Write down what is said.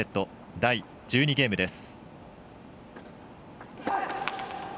第１２ゲームです。